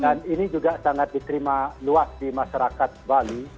dan ini juga sangat diterima luas di masyarakat bali